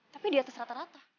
tapi di atas rata rata